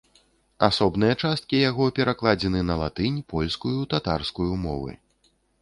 Асобныя часткі яго перакладзены на латынь, польскую, татарскую мовы.